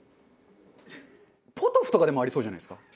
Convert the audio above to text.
ポトフとかでもありそうじゃないですか？